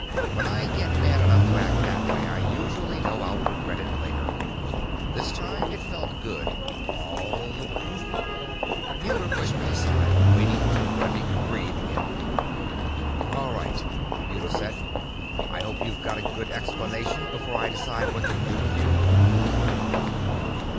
When I get mad enough to act that way, I usually know I'll regret it later. This time it felt good, all the way. But Muller pushed me aside, waiting until Grundy could breathe again. "All right," Muller said. "I hope you've got a good explanation, before I decide what to do with you."